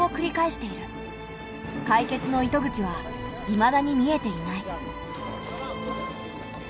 解決の糸口はいまだに見えていない。